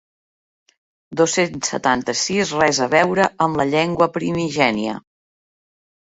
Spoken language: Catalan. Dos-cents setanta-sis res a veure amb la llengua primigènia.